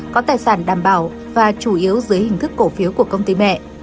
có tài sản đảm bảo và chủ yếu dưới hình thức cổ phiếu của công ty mẹ